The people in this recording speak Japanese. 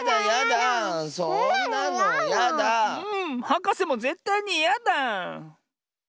はかせもぜったいにいやだ！